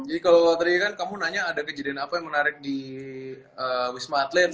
jadi kalau tadi kan kamu nanya ada kejadian apa yang menarik di wisma atlet